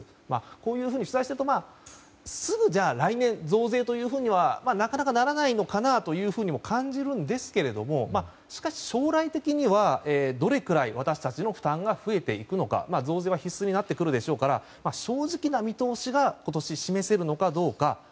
こういうふうにしていくとじゃあすぐ、来年に増税というふうにはなかなかならないのかなとも感じるんですがしかし、将来的にはどれくらい私たちの負担が増えていくのか、増税は必須になってくるでしょうから正直な見通しが今年、示せるのかどうか。